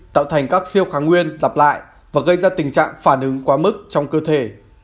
tạo thành các siêu kháng nguyên lặp lại và gây ra tình trạng phản ứng quá mức trong cơ thể